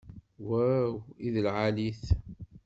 Waw, i d lɛali-t!